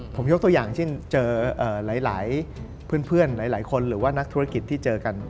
ผมยกตัวอย่างเช่นเจอหลายเพื่อนหลายคนหรือว่านักธุรกิจที่เจอกัน